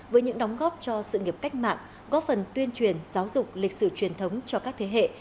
với những đóng góp cho sự nghiệp cách mạng góp phần tuyên truyền giáo dục lịch sử truyền thống cho các thế hệ